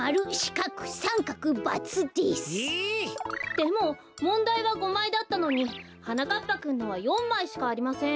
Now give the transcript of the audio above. でももんだいは５まいだったのにはなかっぱくんのは４まいしかありません。